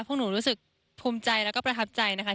ก็รู้สึกภูมิใจและประทับใจนะครับ